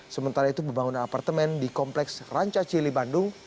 sementara itu pembangunan apartemen di kompleks ranca cili bandung